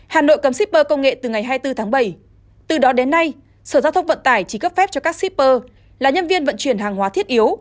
hà nội cấm shipper công nghệ từ ngày hai mươi bốn tháng bảy từ đó đến nay sở giao thông vận tải chỉ cấp phép cho các shipper là nhân viên vận chuyển hàng hóa thiết yếu